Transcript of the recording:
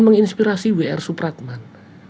menginspirasi w r supratman